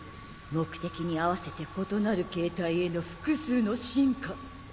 目的に合わせて異なる形態への複数の進化。